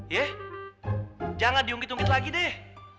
yeh jangan diungkit ungkit lagi deh